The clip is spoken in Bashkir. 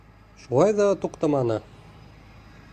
Шулай ҙа туҡтаманы.